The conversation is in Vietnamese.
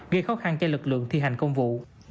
gây khó khăn cho lực lượng thi hành công vụ